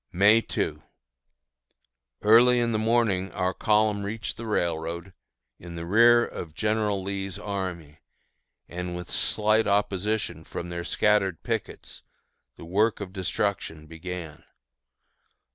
May 2. Early in the morning our column reached the railroad, in the rear of General Lee's army, and, with slight opposition from scattered pickets, the work of destruction began.